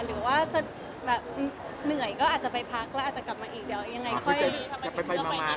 หรือว่าจะแบบเหนื่อยก็อาจจะไปพักแล้วอาจจะกลับมาอีกเดี๋ยวยังไงค่อยไปพัก